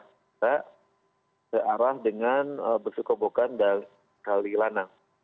kita ke arah dengan busuk kobokan dan khalilana